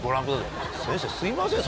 先生すいません